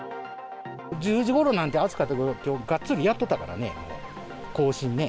１０時ごろなんて暑かったけど、きょう、がっつりやっとったからね、行進ね。